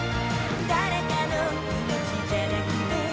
「誰かのいのちじゃなくて」